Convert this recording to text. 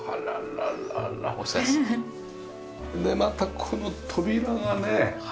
でまたこの扉がね。